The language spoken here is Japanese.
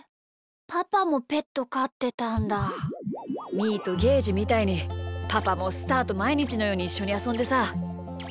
みーとゲージみたいにパパもスターとまいにちのようにいっしょにあそんでさ。